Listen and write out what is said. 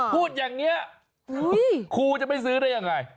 พูดอย่างนี้ครูจะไม่ซื้อได้ยังไง